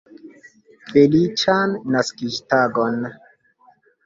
Feliĉan naskiĝtagon!